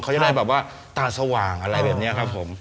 เขาจะได้แบบว่าตาสว่างอะไรแบบนี้ครับผม